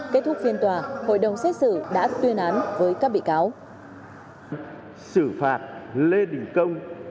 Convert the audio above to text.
kết thúc phiên tòa hội đồng xét xử đã tuyên án với các bị cáo